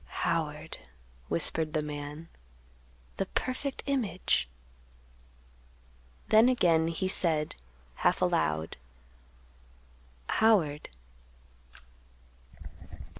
"Howard," whispered the man; "the perfect image;" then again he said, half aloud, "Howard."